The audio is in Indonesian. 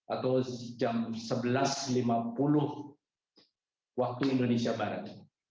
atau jam sebelas lima puluh waktu indonesia barat